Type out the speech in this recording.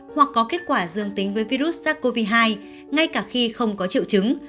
hoặc có kết quả dương tính với virus sars cov hai ngay cả khi không có triệu chứng